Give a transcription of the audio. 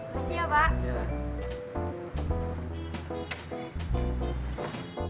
masuk ya pak